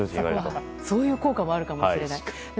そういう効果もあるかもしれない。